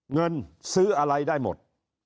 เงินซื้ออะไรได้หมด